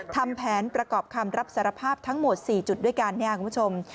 ทำแผนประกอบคำรับสารภาพทั้งหมด๔จุดด้วยกันเนี่ยคุณผู้ชม